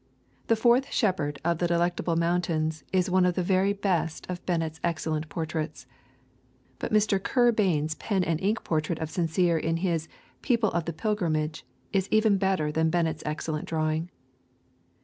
The fourth shepherd of the Delectable Mountains is one of the very best of Bennett's excellent portraits. But Mr. Kerr Bain's pen and ink portrait of Sincere in his People of the Pilgrimage is even better than Bennett's excellent drawing.